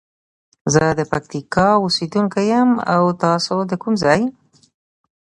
زه د پکتیکا اوسیدونکی یم او تاسو د کوم ځاي؟